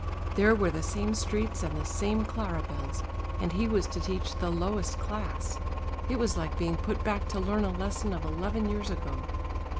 There were the same streets and the same Clara bells, and he was to teach the lowest class! It was like being put back to learn a lesson of eleven years ago.